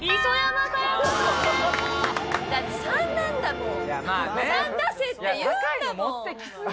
だって３なんだもん。